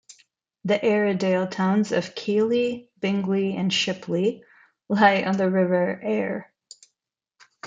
The Airedale towns of Keighley, Bingley and Shipley lie on the River Aire.